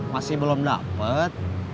masih belum dapet